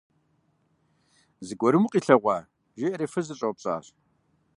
Зыгуэрым укъилъэгъуа? – жиӀэри фызыр къыщӀэупщӀащ.